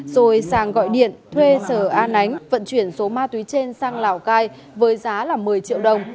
rồi sang gọi điện thuê sở an ánh vận chuyển số ma túy trên sang lào cai với giá là một mươi triệu đồng